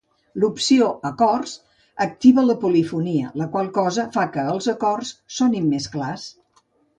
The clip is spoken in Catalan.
L'opció "Acords" activa la polifonia, la qual cosa fa que els acords sonin més clars.